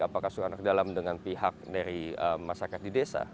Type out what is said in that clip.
apakah suku anak dalam dengan pihak dari masyarakat di desa